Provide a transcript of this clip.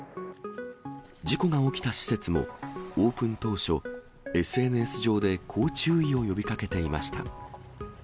事故が起きた施設もオープン当初、ＳＮＳ上でこう注意を呼びかけていました。